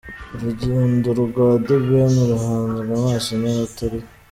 Urugendo rwa The Ben ruhanzwe amaso n’abatari.